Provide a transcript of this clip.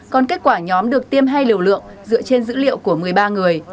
còn kết quả nhóm được tiêm hai liều lượng dựa trên dữ liệu của một mươi ba người